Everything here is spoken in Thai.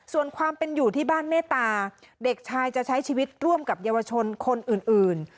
ส่วนความเป็นอยู่ที่บ้านเมตตาเด็กชายจะใช้ชีวิตร่วมกับเยาวชนคนอื่น